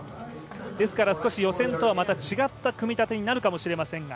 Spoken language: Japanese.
ですから少し予選とはまた違った組み立てになるかもしれませんが。